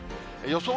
予想